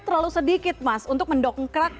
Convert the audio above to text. terlalu sedikit mas untuk mendongkrak